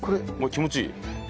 気持ちいい。